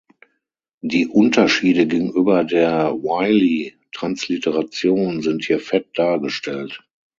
Die Unterschiede gegenüber der Wylie-Transliteration sind hier fett dargestellt.